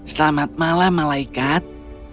selamat malam malaikat